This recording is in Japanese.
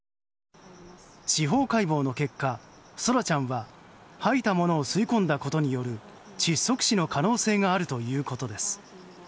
司法解剖の結果、奏良ちゃんは吐いたものを吸い込んだことによる窒息死の可能性があるということです。